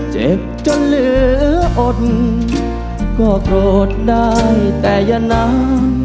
เจ็บจนเหลืออดก็โกรธได้แต่อย่าน้ำ